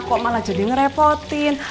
kok malah jadi ngerepotin